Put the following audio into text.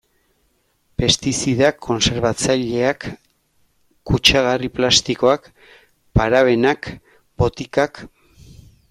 Pestizidak, kontserbatzaileak, kutsagarri plastikoak, parabenak, botikak...